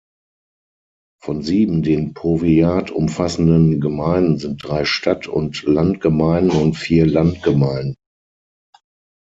Von sieben den Powiat umfassenden Gemeinden sind drei Stadt- und Landgemeinden und vier Landgemeinden.